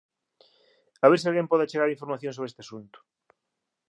A ver se alguén pode achegar información sobre este asunto